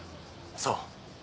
そう。